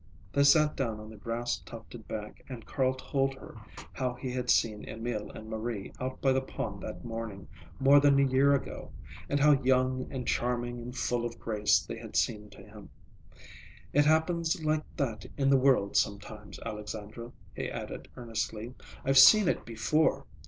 They sat down on the grass tufted bank and Carl told her how he had seen Emil and Marie out by the pond that morning, more than a year ago, and how young and charming and full of grace they had seemed to him. "It happens like that in the world sometimes, Alexandra," he added earnestly. "I've seen it before.